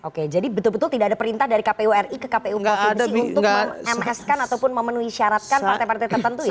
oke jadi betul betul tidak ada perintah dari kpu ri ke kpu provinsi untuk mem ms kan ataupun memenuhi syaratkan partai partai tertentu ya